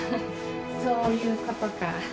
そういうことか。